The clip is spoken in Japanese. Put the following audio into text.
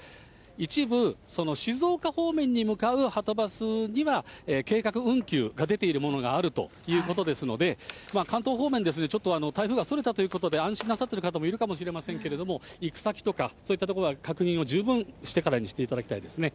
一部、静岡方面に向かうはとバスには計画運休が出ているものがあるということですので、関東方面ですね、ちょっと台風がそれたということで、安心なさっている方もいるかもしれませんけれども、行く先とか、そういったところは、確認は十分してからにしていただきたいですね。